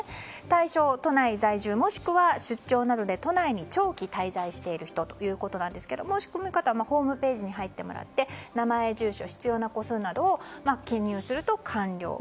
対象は都内在住もしくは出張などで都内に長期滞在している人ということですが申し込み方はホームページに入ってもらって名前、住所、必要な個数などを記入すると完了。